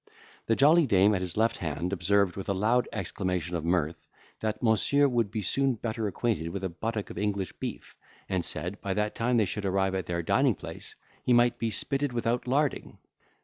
The jolly dame at his left hand observed, with a loud exclamation of mirth, that monsieur would be soon better acquainted with a buttock of English beef; and said, by that time they should arrive at their dining place, he might be spitted without larding.